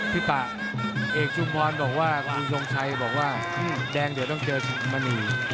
ป่าเอกชุมพรบอกว่าคุณทรงชัยบอกว่าแดงเดี๋ยวต้องเจอมณี